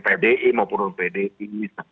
banyak yang pdi maupun non pdi